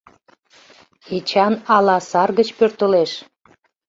— Эчан ала сар гыч пӧртылеш.